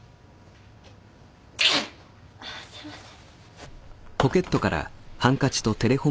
ああすいません。